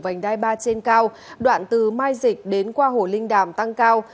vành đai ba trên cao đoạn từ mai dịch đến qua hồ linh đàm tăng cao